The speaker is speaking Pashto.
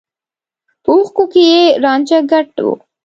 په اوښکو کې يې رانجه ګډ و.